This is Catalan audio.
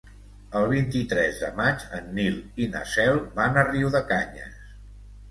El vint-i-tres de maig en Nil i na Cel van a Riudecanyes.